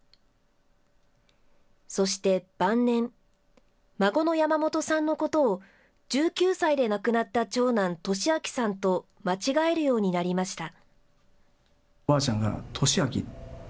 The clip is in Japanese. そして晩年、孫の山本さんのことを１９歳で亡くなった長男、稔明さんと間違えるようになりました。